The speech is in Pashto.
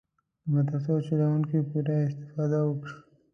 د مدرسو چلوونکي پوره استفاده وکړي.